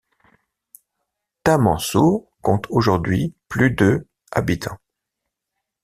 Tamansourt compte aujourd’hui plus de habitants.